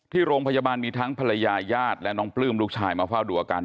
ที่โรงพยาบาลมีทั้งภรรยาญาติและน้องปลื้มลูกชายมาเฝ้าดูอาการ